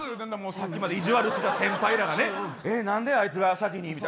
さっきまで意地悪した先輩らが何であいつが先に。